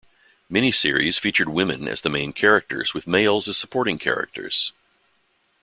Many series featured women as the main characters with males as supporting characters.